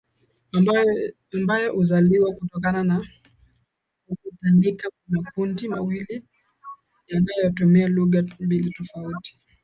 ambayo huzaliwa kutokana na kukutanika kwa makundi mawili yanayotumia lugha mbili tofauti